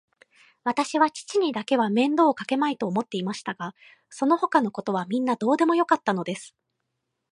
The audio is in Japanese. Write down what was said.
わたしは父にだけは面倒をかけまいと思っていましたが、そのほかのことはみんなどうでもよかったのです。